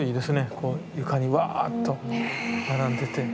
こう床にワーっと並んでて。